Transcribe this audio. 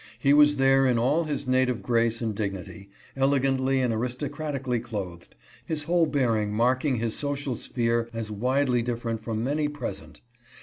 He was there in all his native grace and dignity, elegantly and aristocratically clothed, his whole bearing marking his social sphere as widely different from many, present.